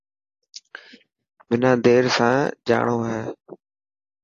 منا دير سان جاڻو هي.